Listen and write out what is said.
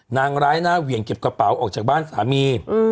นางร้ายหน้าเหวี่ยงเก็บกระเป๋าออกจากบ้านสามี